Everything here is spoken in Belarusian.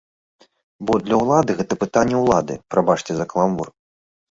Бо для ўлады гэта пытанне ўлады, прабачце за каламбур.